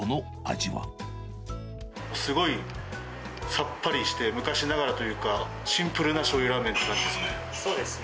すごいさっぱりして、昔ながらというか、シンプルなしょうゆラーメンって感じですね。